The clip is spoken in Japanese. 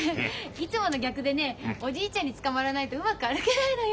いつもの逆でねおじいちゃんにつかまらないとうまく歩けないのよ。